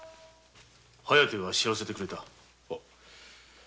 疾風が知らせてくれた。